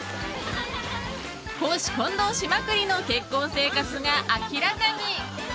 公私混同しまくりの結婚生活が明らかに！